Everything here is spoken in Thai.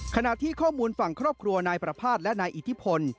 ขณะที่ข้อมูลฝั่งครอบครัวนายประภาษณ์และนายอิทธิพล